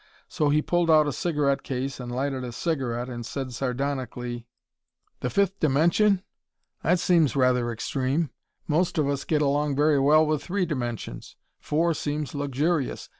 So he pulled out a cigarette case and lighted a cigarette and said sardonically: "The fifth dimension? That seems rather extreme. Most of us get along very well with three dimensions. Four seems luxurious.